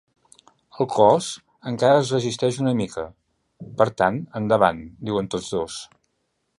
El cos encara es resisteix una mica… Per tant, endavant, diuen tots dos.